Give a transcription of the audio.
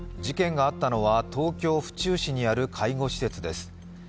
事件があったのは東京・府中市にある介護施設です。